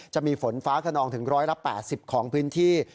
จะมีฝนฟ้าขนองถึง๑๘๐ของพื้นที่